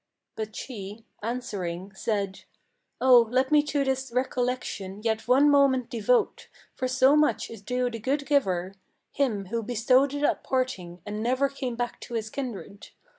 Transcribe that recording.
But she, answering, said: "Oh, let me to this recollection Yet one moment devote; for so much is due the good giver, Him who bestowed it at parting, and never came back to his kindred.